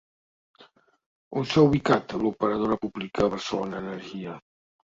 On s'ha ubicat l'operadora pública Barcelona Energia?